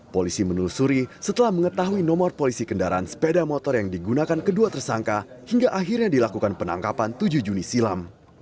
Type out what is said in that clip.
polisi menelusuri setelah mengetahui nomor polisi kendaraan sepeda motor yang digunakan kedua tersangka hingga akhirnya dilakukan penangkapan tujuh juni silam